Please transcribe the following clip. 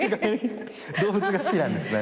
動物が好きなんですね。